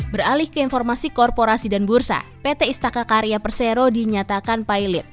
beralih ke informasi korporasi dan bursa pt istaka karya persero dinyatakan pilot